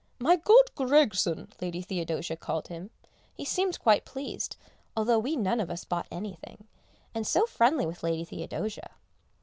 "My good Griggson," Lady Theodosia called him; he seemed quite pleased although we none of us bought anything and so friendly with Lady Theodosia.